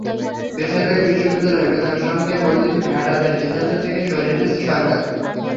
বেসরকারি বিশ্ববিদ্যালয়ের বেতনের সঙ্গে বর্ধিত ভ্যাট আদায়ের সিদ্ধান্ত থেকে সরে এসেছে সরকার।